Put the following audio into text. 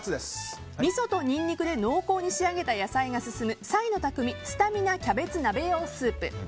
みそとニンニクで濃厚に仕上げた野菜が進む菜の匠スタミナきゃべつ鍋用スープ。